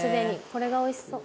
これがおいしそう。